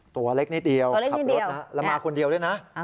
ตัวเล็กนิดเดียวตัวเล็กนิดเดียวแล้วมาคนเดียวด้วยนะอ่า